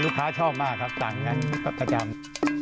ลูกค้าชอบมากครับสั่งการอาจารย์